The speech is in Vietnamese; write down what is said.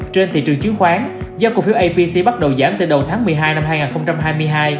trên thị trường chứng khoán do cổ phiếu apc bắt đầu giảm từ đầu tháng một mươi hai năm hai nghìn hai mươi hai